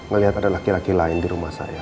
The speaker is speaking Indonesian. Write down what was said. melihat ada laki laki lain di rumah saya